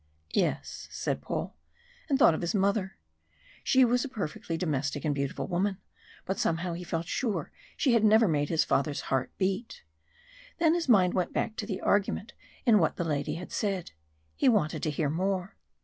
"Yes," said Paul, and thought of his mother. She was a perfectly domestic and beautiful woman, but somehow he felt sure she had never made his father's heart beat. Then his mind went back to the argument in what the lady had said he wanted to hear more.